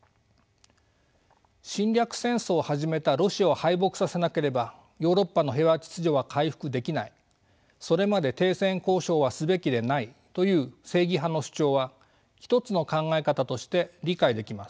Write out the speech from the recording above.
侵略戦争を始めたロシアを敗北させなければヨーロッパの平和秩序は回復できないそれまで停戦交渉はすべきでないという正義派の主張は１つの考え方として理解できます。